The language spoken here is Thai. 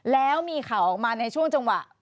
แล้วมีข่าวออกมาในช่วงจังหวะ